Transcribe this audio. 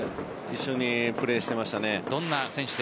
一緒にプレーしていましたね。